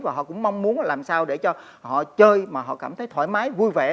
và họ cũng mong muốn làm sao để cho họ chơi mà họ cảm thấy thoải mái vui vẻ